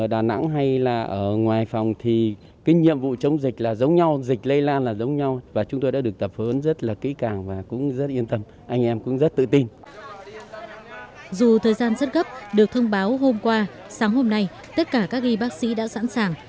dù thời gian rất gấp được thông báo hôm qua sáng hôm nay tất cả các y bác sĩ đã sẵn sàng